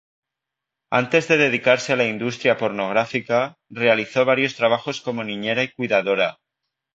Antes de dedicarse a la industria pornográfica, realizó varios trabajos como niñera y cuidadora.